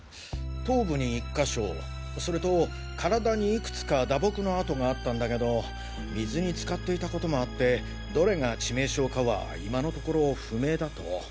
頭部に１か所それと体にいくつか打撲の痕があったんだけど水につかっていた事もあってどれが致命傷かは今のところ不明だと。